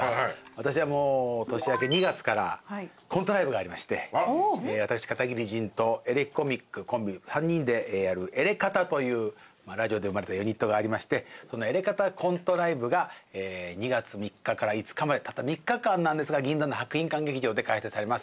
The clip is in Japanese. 私はもう年明け２月からコントライブがありまして私片桐仁とエレキコミックコンビ３人でやるエレ片というラジオで生まれたユニットがありましてエレ片コントライブが２月３日から５日までたった３日間なんですが銀座の博品館劇場で開催されます。